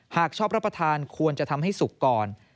หากชอบรับประทานควรจะทำให้สุกก่อน